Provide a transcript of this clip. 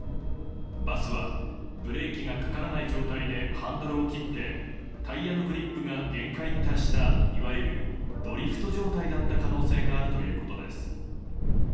バスはブレーキがかからない状態でハンドルを切ってタイヤのグリップが限界に達したいわゆるドリフト状態だった可能性があるということです。